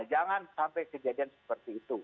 jangan sampai kejadian seperti itu